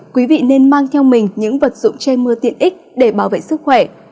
quý vị nên mang theo mình những vật dụng che mưa tiện ích để bảo vệ sức khỏe